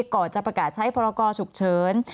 ก่อนจะประกาศใช้พรกรฉุกเฉิน